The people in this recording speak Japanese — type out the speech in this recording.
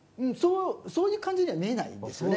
そういう感じには見えないですよね。